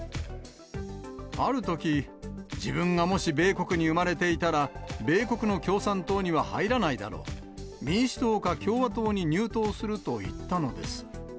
あるとき、自分がもし米国に生まれていたら、米国の共産党には入らないだろう、民主党か共和党に入党すると言ったのです。